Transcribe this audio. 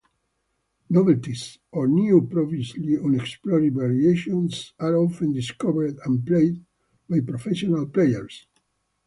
"Novelties", or new, previously unexplored variations are often discovered and played by professional players.